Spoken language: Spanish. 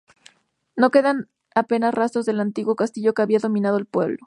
No quedan apenas rastros del antiguo castillo que había dominado el pueblo.